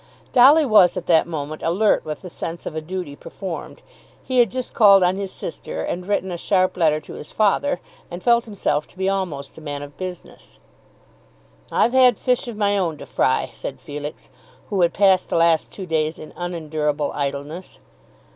Dolly was at that moment alert with the sense of a duty performed. He had just called on his sister and written a sharp letter to his father, and felt himself to be almost a man of business. "I've had fish of my own to fry," said Felix, who had passed the last two days in unendurable idleness.